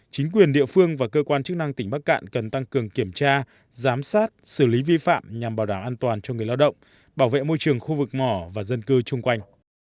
chính quyền địa phương và cơ quan chức năng tỉnh bắc cạn cần tăng cường kiểm tra giám sát xử lý vi phạm nhằm bảo đảm an toàn cho người lao động bảo vệ môi trường khu vực mỏ và dân cư chung quanh